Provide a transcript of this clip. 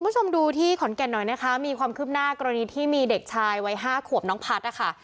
คุณผู้ชมดูที่ขอนแก่นหน่อยนะคะมีความคืบหน้ากรณีที่มีเด็กชายวัยห้าขวบน้องพัฒน์นะคะ